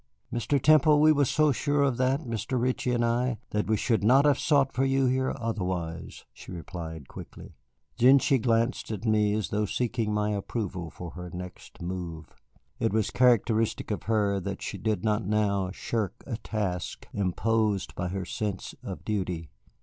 "Mr. Temple, we were so sure of that Mr. Ritchie and I that we should not have sought for you here otherwise," she replied quickly. Then she glanced at me as though seeking my approval for her next move. It was characteristic of her that she did not now shirk a task imposed by her sense of duty.